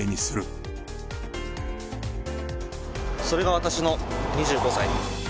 それが私の２５歳。